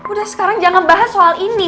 udah sekarang jangan bahas soal ini